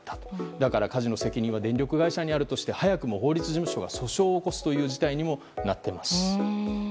だから、火事の責任は電力会社にあるとして早くも法律事務所が訴訟を起こす事態になっています。